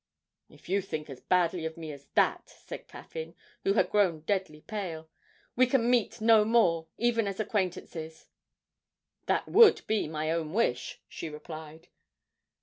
'If you think as badly of me as that,' said Caffyn, who had grown deadly pale, 'we can meet no more, even as acquaintances.' 'That would be my own wish,' she replied.